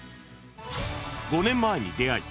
５年前に出会い